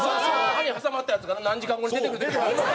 歯に挟まったやつが何時間後に出てくるとかあるよ。